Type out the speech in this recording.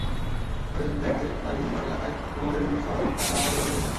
সরেজমিনে দেখা গেছে, বারিবিন্দুঘাট এলাকায় ইতিমধ্যে দুটি সড়ক কাচালং নদীর গর্ভে বিলীন হয়েছে।